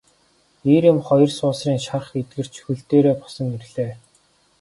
Эр эм хоёр суусрын шарх эдгэрч хөл дээрээ босон ирлээ.